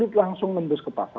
itu langsung menembus ke pasar